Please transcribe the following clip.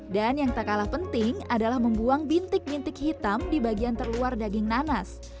dan yang tak kalah penting adalah membuang bintik bintik hitam di bagian terluar daging nanas